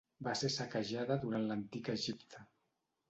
Va ser saquejada durant l'antic Egipte.